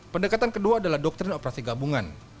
pendekatan kedua adalah doktrin operasi gabungan